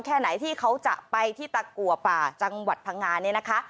แค่ไหนที่เขาจะไปที่ตะกัวป่าจังหวัดพังงาเนี่ยนะคะ